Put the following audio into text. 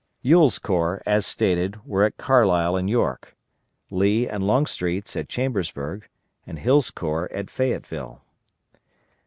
Ewell's corps, as stated, were at Carlisle and York, Lee and Longstreet's at Chambersburg, and Hill's corps at Fayetteville.